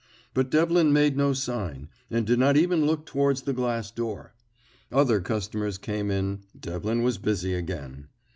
But Devlin made no sign, and did not even look towards the glass door. Other customers coming in, Devlin was busy again.